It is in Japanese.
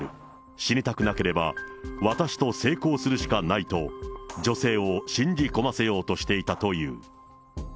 死にたくなければ、私と性交するしかないと、女性を信じ込ませようとしていたという。